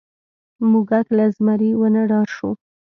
موږک له زمري ونه ډار شو.